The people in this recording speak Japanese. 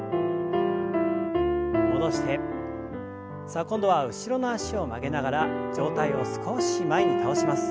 さあ今度は後ろの脚を曲げながら上体を少し前に倒します。